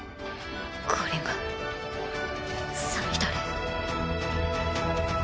これがさみだれ。